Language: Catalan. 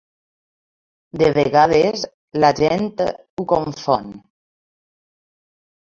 De vegades la gent ho confon.